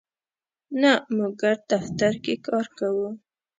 نه، موږ ګډ دفتر کی کار کوو